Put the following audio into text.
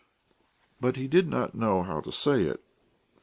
But he did not know how to say it.